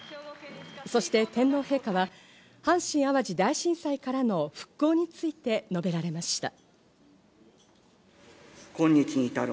そして天皇陛下は、阪神・淡路大震災からの復興について述べられました。